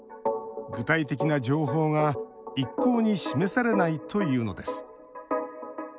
具体的な情報が一向に示されないというのです。